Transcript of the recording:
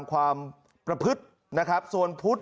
มึงอยากให้ผู้ห่างติดคุกหรอ